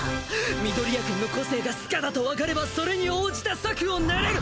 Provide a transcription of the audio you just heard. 緑谷くんの個性がスカだとわかればそれに応じた策を練れる。